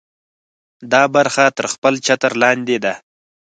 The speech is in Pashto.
دا برخه تر خپل چتر لاندې ده.